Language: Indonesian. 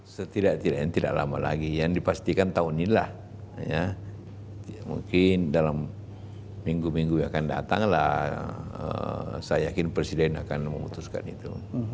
setidak tidak yang tidak lama lagi yang dipastikan tahun inilah mungkin dalam minggu minggu yang akan datang lah saya yakin presiden akan memutuskan itu